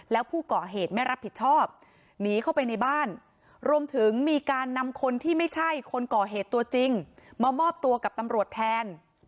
แล้วผู้ก่อเหตุไม่รับผิดชอบหนีเข้าไปในบ้านรวมถึงมีการนำคนที่ไม่ใช่คนก่อเหตุตัวจริงมามอบตัวกับตำรวจแทน